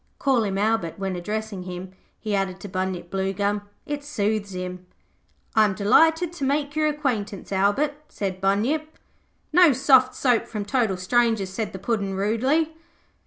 Call him Albert when addressing him,' he added to Bunyip Bluegum. 'It soothes him.' 'I am delighted to make your acquaintance, Albert,' said Bunyip. 'No soft soap from total strangers,' said the Puddin', rudely.